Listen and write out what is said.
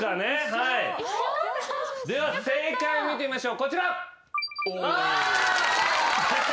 では正解見てみましょうこちら。